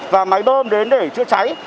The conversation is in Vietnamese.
và máy bơm đến để trựa cháy